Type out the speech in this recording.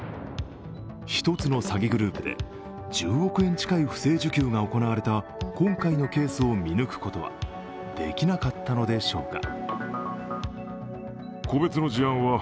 １つの詐欺グループで１０億円近い不正受給が行われた今回のケースを見抜くことはできなかったのでしょうか。